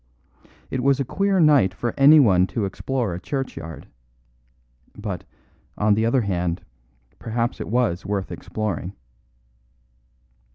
It was a queer night for anyone to explore a churchyard. But, on the other hand, perhaps it was worth exploring.